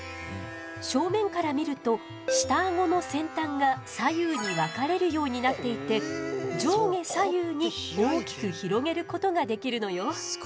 正面から見ると下アゴの先端が左右に分かれるようになっていて上下左右に大きく広げることができるのよ。